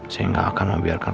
saya gak akan membiarkan